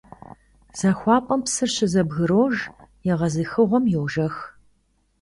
ЗахуапӀэм псыр щызэбгрож, егъэзыхыгъуэм — йожэх.